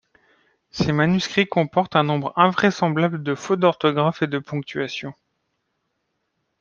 Ses manuscrits comportent un nombre invraisemblable de fautes d’orthographe et de ponctuation.